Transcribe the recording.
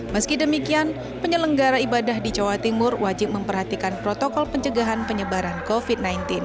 meski demikian penyelenggara ibadah di jawa timur wajib memperhatikan protokol pencegahan penyebaran covid sembilan belas